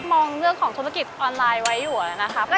มองเรื่องของธุรกิจออนไลน์ไว้อยู่นะครับ